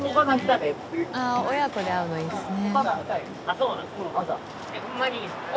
親子で会うのいいですね。